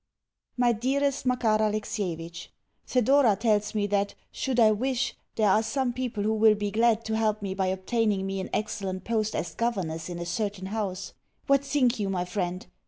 MY DEAREST MAKAR ALEXIEVITCH Thedora tells me that, should I wish, there are some people who will be glad to help me by obtaining me an excellent post as governess in a certain house. What think you, my friend?